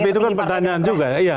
tapi itu kan pertanyaan juga ya